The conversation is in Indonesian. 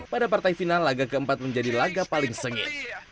pada partai final laga keempat menjadi laga paling sengit